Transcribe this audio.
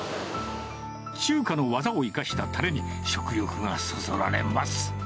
中華の技を生かしたたれに、食欲がそそられます。